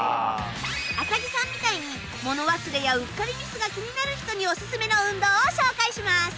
麻木さんみたいに物忘れやうっかりミスが気になる人におすすめの運動を紹介します。